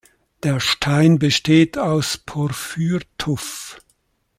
Der Stein besteht aus Porphyrtuff.